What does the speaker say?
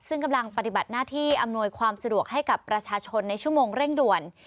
ซึ่งกำลังปฏิบัติหน้าที่อำนวยความสะดวกให้กับประชาชนในชั่วโมงเร่งด่วน